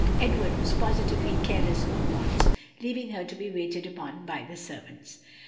Edward was positively careless of her wants, leaving her to be waited upon by the servants.